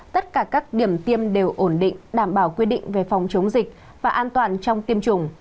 tất cả các điểm tiêm đều ổn định đảm bảo quy định về phòng chống dịch và an toàn trong tiêm chủng